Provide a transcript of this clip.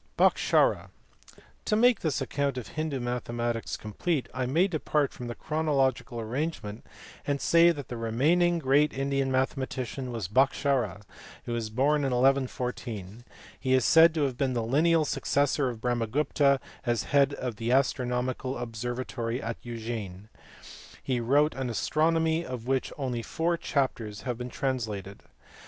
Bhaskara. To make this account of Hindoo mathematics complete, I may depart from the chronological arrangement and say that the remaining great Indian mathematician was Bhaskara who was born in 1114. He is said to have been the lineal successor of Brahmagupta as head of an astronomical observatory at Ujein or as it is sometimes written Ujjayini. He wrote an astronomy of which only four chapters have been translated.